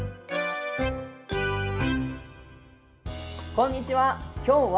こんにちは。